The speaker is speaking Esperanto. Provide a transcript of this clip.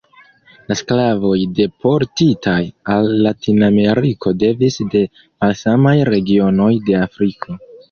La sklavoj deportitaj al Latinameriko devenis de malsamaj regionoj de Afriko.